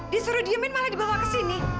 disuruh diemin malah dibawa kesini